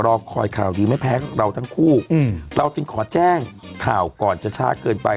รอคอยข่าวดีไม่แพ้เราทั้งคู่เราจึงขอแจ้งข่าวก่อนจะช้าเกินไป